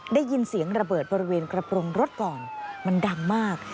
ได้ยินเสียงระเบิดบริเวณกระโปรงรถก่อนมันดังมาก